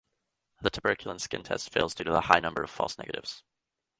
The tuberculin skin test fails due to the high numbers of false negatives.